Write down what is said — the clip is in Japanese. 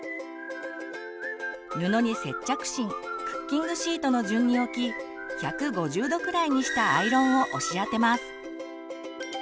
布に接着芯クッキングシートの順に置き１５０℃くらいにしたアイロンを押し当てます。